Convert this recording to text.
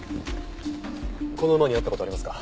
この馬に会った事ありますか？